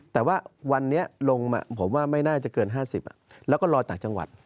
แต่ว่าวันนี้ลงผมว่าไม่น่าจะเกิน๕๐แล้วก็รอต่างจังหวัด